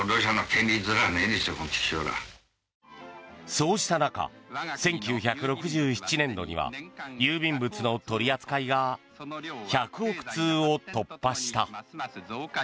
そうした中、１９６７年度には郵便物の取り扱いが１００億通を突破した。